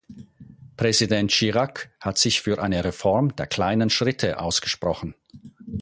Präsident Chirac hat sich für eine Reform der kleinen Schritte ausgesprochen.